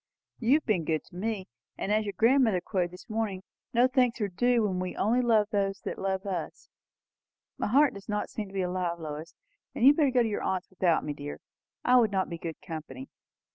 "You have been good to me. And, as your grandmother quoted this morning, no thanks are due when we only love those who love us. My heart does not seem to be alive, Lois. You had better go to your aunt's without me, dear. I should not be good company."